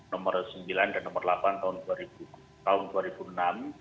nomor sembilan dan nomor delapan tahun dua ribu enam